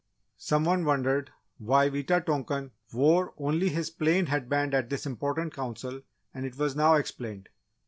Some one wondered why Wita tonkan wore only his plain head band at this important Council and it was now explained.